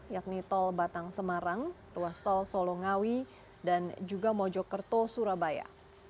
yakni tol batang semarang ruas tol solongawi dan juga mojokerto surabaya